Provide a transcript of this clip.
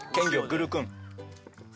グルクン。